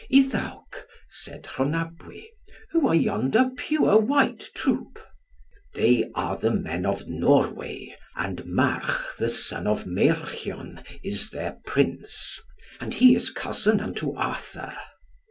"Iddawc," said Rhonabwy, "who are yonder pure white troop?" "They are the men of Norway, and March the son of Meirchion is their prince. And he is cousin unto Arthur."